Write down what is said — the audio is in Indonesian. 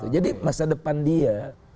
jadi masa depan dia